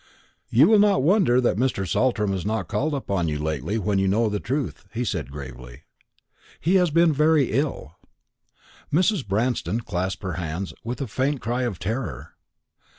"You will not wonder that Mr. Saltram has not called upon you lately when you know the truth," he said gravely: "he has been very ill." Mrs. Branston clasped her hands, with a faint cry of terror.